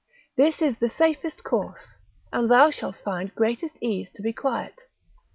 This is the safest course, and thou shalt find greatest ease to be quiet.